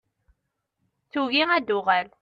Tugi ad d-tuɣal.